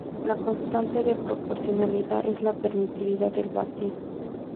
La constante de proporcionalidad es la permitividad del vacío.